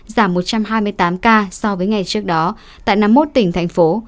giảm một trăm hai mươi tám ca so với ngày trước đó tại năm mươi một tỉnh thành phố